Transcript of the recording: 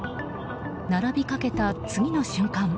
並びかけた次の瞬間